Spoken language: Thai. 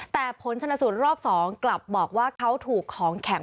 แต่ผลชนสูตรรอบ๒กลับบอกว่าเขาถูกของแข็ง